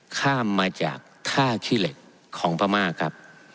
ข้ามมาจากท่าขี้เหล็กของพม่าครับ